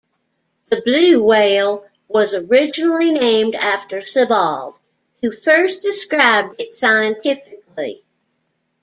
The blue whale was originally named after Sibbald, who first described it scientifically.